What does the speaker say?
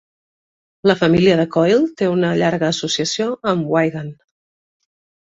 La família de Coyle té una llarga associació amb Wigan.